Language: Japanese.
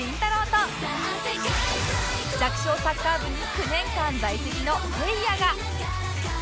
と弱小サッカー部に９年間在籍のせいやが